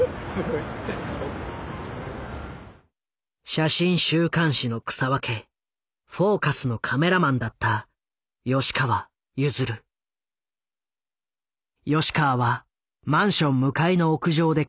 写真週刊誌の草分け「フォーカス」のカメラマンだった吉川はマンション向かいの屋上でカメラを構えた。